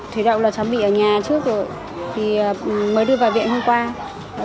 thủy đậu là chẳng bị ở nhà trước rồi mới đưa vào viện hôm qua